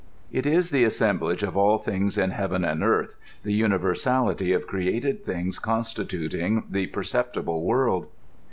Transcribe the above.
It is the assem blage of all things in heaven and earth, the universality of created things constituting the perceptible world.